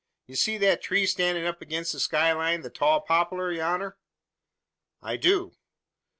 Ye see that tree stannin' up agin the sky line the tall poplar yonner?" "I do."